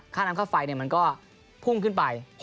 ค่าน้ำค่าไฟมันก็พุ่งขึ้นไป